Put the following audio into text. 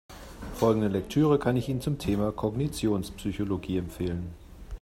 Folgende Lektüre kann ich Ihnen zum Thema Kognitionspsychologie empfehlen.